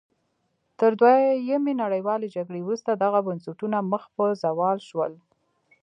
تر دویمې نړیوالې جګړې وروسته دغه بنسټونه مخ په زوال شول.